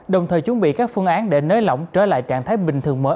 đồng thời chuẩn bị các phương án để nới lỏng trở lại trạng thái bình thường mới